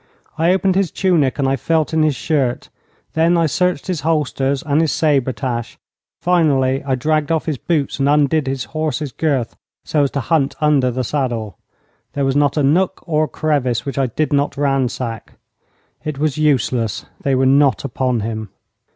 I opened his tunic and I felt in his shirt. Then I searched his holsters and his sabre tasche. Finally I dragged off his boots, and undid his horse's girth so as to hunt under the saddle. There was not a nook or crevice which I did not ransack. It was useless. They were not upon him.